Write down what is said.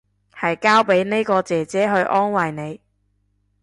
係交俾呢個姐姐去安慰你